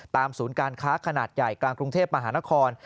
ศูนย์การค้าขนาดใหญ่กลางกรุงเทพมหานคร